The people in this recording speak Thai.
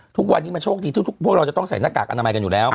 ทุกวันนี้มันโชคดีทุกพวกเราจะต้องใส่หน้ากากอนามัยกันอยู่แล้ว